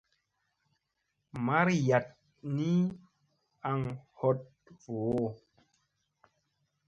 Mariyaɗ ni aŋ hoɗ voo.